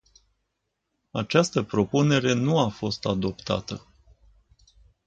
Această propunere nu a fost adoptată.